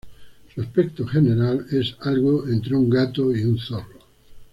Su aspecto general es algo entre un gato y un zorro.